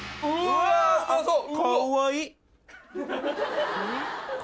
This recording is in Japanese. うまそう。